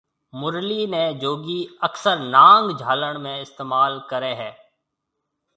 مُرلي ني جوگي اڪثر نانگ جھالڻ ۾ استعمال ڪري